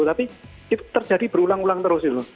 tapi itu terjadi berulang ulang terus